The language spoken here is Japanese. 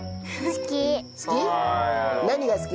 好き？